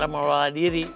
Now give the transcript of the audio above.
kita akan meloloh diri